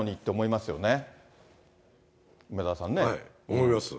思います。